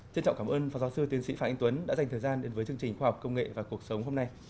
trân trọng cảm ơn phó giáo sư tiến sĩ phạm anh tuấn đã dành thời gian đến với chương trình khoa học công nghệ và cuộc sống hôm nay